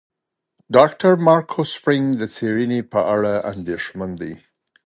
ډاکټر مارکو سپرینګ د څېړنې په اړه اندېښمن دی.